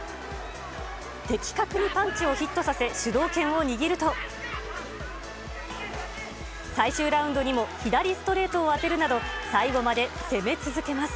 的確にパンチをヒットさせ、主導権を握ると、最終ラウンドにも左ストレートを当てるなど、最後まで攻め続けます。